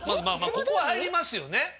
まあここは入りますよね。